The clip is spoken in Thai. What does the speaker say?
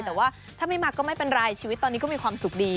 แต่ว่าถ้าไม่มาก็ไม่เป็นไรชีวิตตอนนี้ก็มีความสุขดี